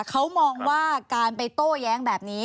เขามองว่าการไปโต้แย้งแบบนี้